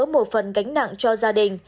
một phần gánh nặng cho gia đình